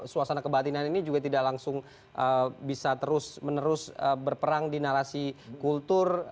suasana kebatinan ini juga tidak langsung bisa terus menerus berperang di narasi kultur